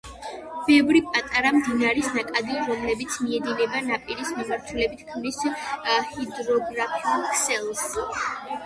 ბევრი პატარა მდინარის ნაკადი, რომლებიც მიედინება ნაპირის მიმართულებით, ქმნის ჰიდროგრაფიულ ქსელს.